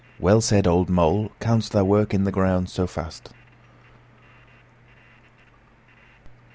WELL SAID, OLD MOLE! CANST THOU WORK I' THE GROUND SO FAST?